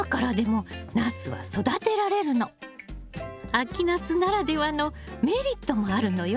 秋ナスならではのメリットもあるのよ。